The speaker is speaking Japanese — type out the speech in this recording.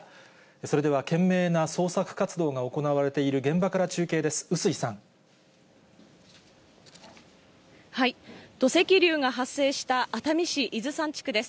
それでは懸命な捜索活動が行われている現場から中継です。